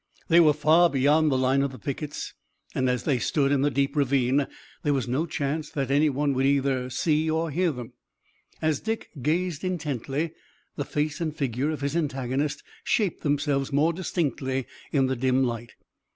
They were far beyond the line of the pickets, and as they stood in the deep ravine there was no chance that any one would either see or hear them. As Dick gazed intently, the face and figure of his antagonist shaped themselves more distinctly in the dim light.